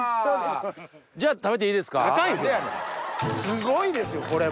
すごいですよこれも。